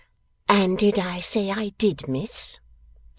'And did I say I did, miss?